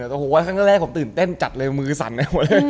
แต่ผมว่าครั้งแรกผมตื่นเต้นจัดเลยมือสั่นไปหมดเลย